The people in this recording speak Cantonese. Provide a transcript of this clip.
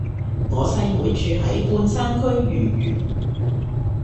我細妹住喺半山區豫苑